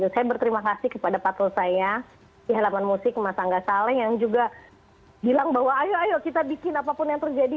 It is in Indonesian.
saya berterima kasih kepada patrol saya di halaman musik mas angga saleh yang juga bilang bahwa ayo ayo kita bikin apapun yang terjadi